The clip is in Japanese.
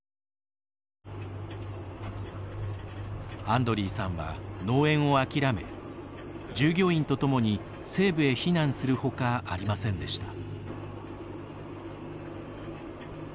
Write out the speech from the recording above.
アンドリーさんは農園をあきらめ従業員とともに西部へ避難するほかありませんでした。